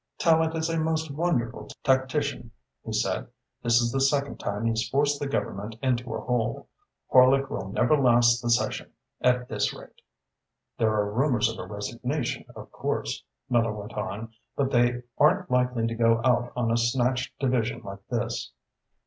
"Tallente is a most wonderful tactician," he said. "This is the second time he's forced the Government into a hole. Horlock will never last the session, at this rate." "There are rumours of a resignation, of course," Miller went on, "but they aren't likely to go out on a snatched division like this."